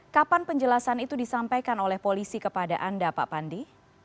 kapan penjelasan itu disampaikan oleh polisi kepada anda pak pandi